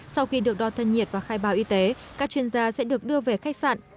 sau khi được đo thân nhiệt và khai báo y tế các chuyên gia sẽ được đưa về khách sạn